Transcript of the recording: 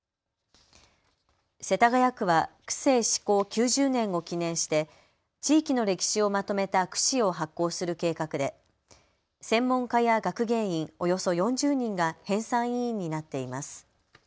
世田谷区は区政施行９０年を記念して地域の歴史をまとめた区史を発行する計画で専門家や学芸員およそ４０人が編さん委員になっています。